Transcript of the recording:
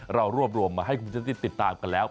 เรารวบรวมมาให้คุณผู้ชมได้ติดตามกันแล้ว